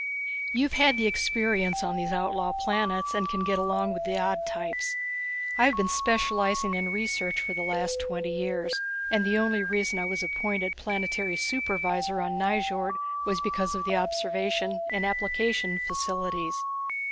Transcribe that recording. You've had the experience on these outlaw planets and can get along with the odd types. I have been specializing in research for the last twenty years, and the only reason I was appointed planetary supervisor on Nyjord was because of the observation and application facilities.